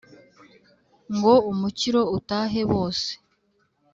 ngo umukiro utahe bose